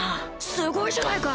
すごいじゃないか！